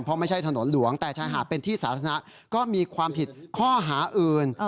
เพราะไม่ใช่ถนนหลวงแต่ชายหาดเป็นที่สาธารณะก็มีความผิดข้อหาอื่น